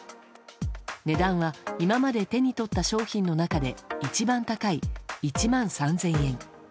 値段は今まで手に取った商品の中で一番高い、１万３０００円。